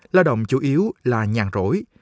lao động chủ yếu là nhàn rỗi